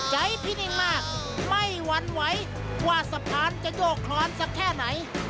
พี่นิ่งมากไม่หวั่นไหวว่าสะพานจะโยกคลอนสักแค่ไหน